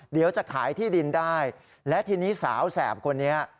เดี๋ยวจะขายที่ดินได้และทีนี้สาวแสบคนนี้